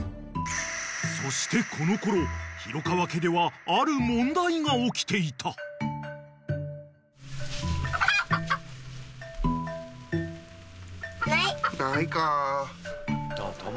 ［そしてこのころ廣川家ではある問題が起きていた］ないか。